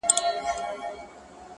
• يوه برخه چوپه بله غوسه تل,